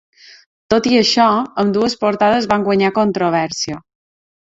Tot i això, ambdues portades van guanyar controvèrsia.